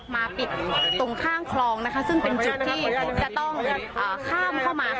มาปิดตรงข้างคลองนะคะซึ่งเป็นจุดที่จะต้องข้ามเข้ามา